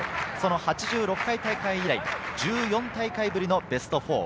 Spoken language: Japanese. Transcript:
その８６回大会以来１４回大会ぶりのベスト４。